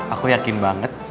aku yakin banget